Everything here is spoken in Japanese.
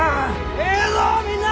ええぞみんな！